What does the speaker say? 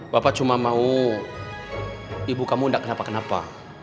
bapak cuma mau ibu kamu tidak kenapa kenapa